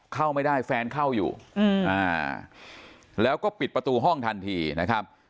เข้าไม่ได้แฟนเข้าอยู่แล้วก็ปิดประตูห้องทันทีนะครับ